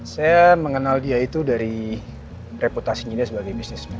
saya mengenal dia itu dari reputasinya dia sebagai bisnis